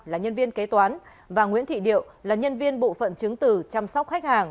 là nhân viên kế toán và nguyễn thị điệu là nhân viên bộ phận chứng từ chăm sóc khách hàng